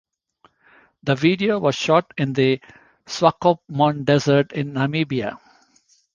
The video was shot in the Swakopmund Desert in Namibia.